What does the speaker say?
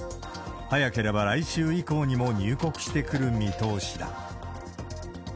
早ければ来週以降にも入国してくる見通しだ。